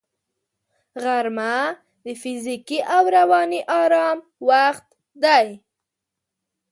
غرمه د فزیکي او رواني آرام وخت دی